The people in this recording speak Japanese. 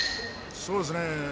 そうですね。